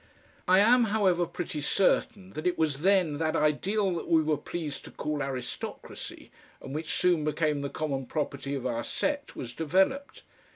I am, however, pretty certain that it was then that ideal that we were pleased to call aristocracy and which soon became the common property of our set was developed.